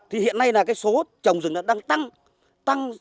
hiện nay là số trồng rừng đang tăng